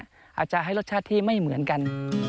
อาจจะให้รสชาติที่ไม่เหมือนกัน